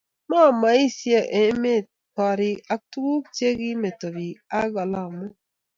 Mo meosiek emetab gorik ak tuguk mo kometo bik ak alamok